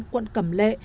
quận cẩm lê